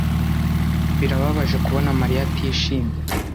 Birababaje kubona Mariya atishimye.